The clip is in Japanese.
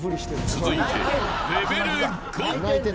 続いてレベル５。